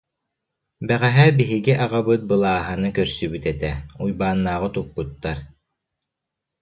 Бэҕэһээ биһиги аҕабыт Балааһаны көрсүбүт этэ, Уйбааннааҕы туппуттар